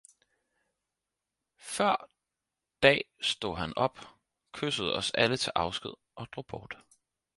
Før dag stod han op, kyssede os alle til afsked og drog bort